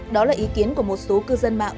đó là ý kiến của một số cư dân mạng